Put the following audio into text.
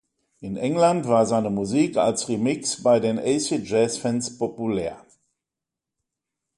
In England war seine Musik als Remix bei den Acid-Jazz-Fans populär.